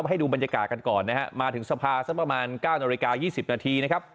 ให้ดูบรรยากาศกันก่อนนะฮะมาถึงสภาสักประมาณ๙นาฬิกา๒๐นาทีนะครับ